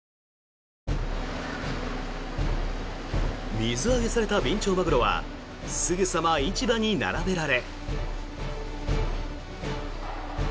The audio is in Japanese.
水揚げされたビンチョウマグロはすぐさま市場に並べられ。